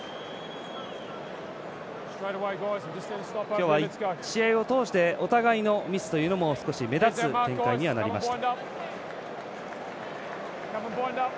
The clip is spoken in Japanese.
今日は、試合を通してお互いのミスというのも少し目立つ展開にはなりました。